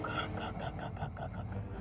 enggak enggak enggak enggak